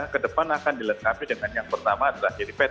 ke depan akan dilengkapi dengan yang pertama adalah helipad